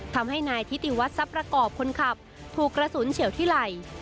ทำให้นายทิติวัตรทรัพย์ประกอบคนขับถูกกระสุนเฉียวที่ไหล่